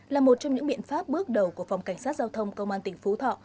là một trong những biện pháp bước đầu của phòng cảnh sát giao thông công an tỉnh phú thọ